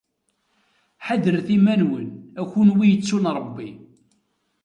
Ḥadret iman-nwen, a kunwi yettun Rebbi.